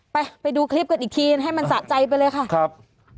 ไปดูคลิปกันอีกทีให้มันสะใจไปเลยค่ะครับ